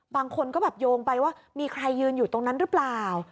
บางคนก็แบบโยงไปว่ามีใครยืนอยู่ตรงนั้นหรือเปล่า